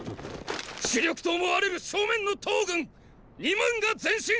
主力と思われる正面の騰軍二万が前進！